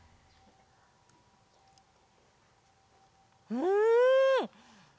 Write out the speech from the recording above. うん！